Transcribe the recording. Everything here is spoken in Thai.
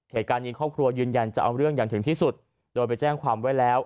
เหตุการณ์นี้ครอบครัวยืนยันจะเอาเรื่องอย่างถึงที่สุดโดยไปแจ้งความไว้แล้ว